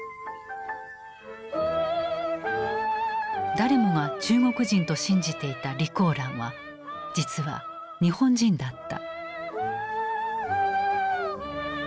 誰もが中国人と信じていた李香蘭は実は日本人だった。